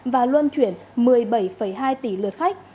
và luân chuyển một mươi bảy hai tỷ lượt khách